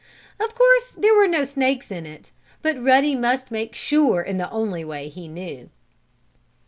Of course there were no snakes in it, but Ruddy must make sure in the only way he knew.